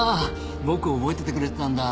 僕を覚えててくれてたんだ。